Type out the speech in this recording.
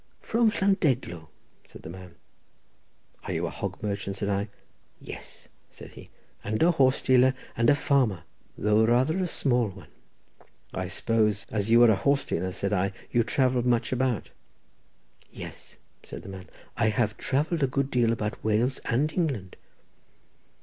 "From Llandeglo," said the man. "Are you a hog merchant?" said I. "Yes," said he, "and a horse dealer, and a farmer, though rather a small one." "I suppose, as you are a horse dealer," said I, "you travel much about?" "Yes," said the man, "I have travelled a good deal about Wales and England."